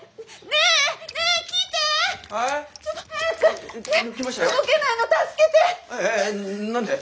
ええ？何で？